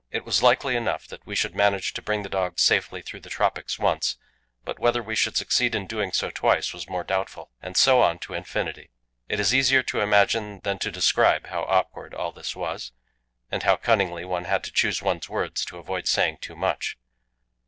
It was likely enough that we should manage to bring the dogs safely through the tropics once, but whether we should succeed in doing so twice was more doubtful; and so on to infinity. It is easier to imagine than to describe how awkward all this was, and how cunningly one had to choose one's words to avoid saying too much.